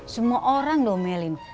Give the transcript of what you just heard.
semua orang lomelin